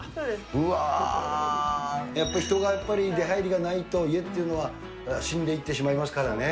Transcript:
うわー、やっぱり人の出はいりがないと、家っていうのは死んでいってしまいますからね。